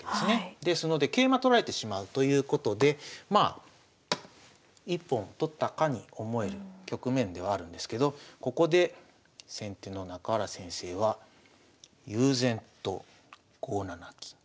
ですので桂馬取られてしまうということで一本取ったかに思える局面ではあるんですけどここで先手の中原先生は悠然と５七金。